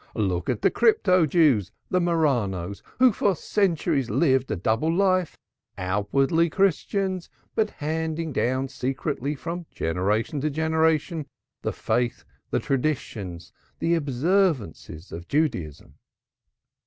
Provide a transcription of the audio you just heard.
Look at the Crypto Jews, the Marranos, who for centuries lived a double life, outwardly Christians, but handing down secretly from generation to generation the faith, the traditions, the observances of Judaism."